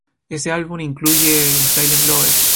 Ese álbum incluye "Silent Lover".